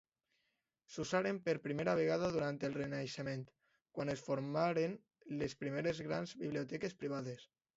S'usaren per primera vegada durant el Renaixement, quan es formaren les primeres grans biblioteques privades.